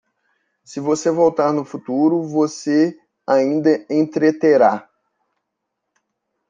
Se você voltar no futuro, você ainda entreterá